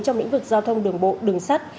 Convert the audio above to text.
trong lĩnh vực giao thông đường bộ đường sắt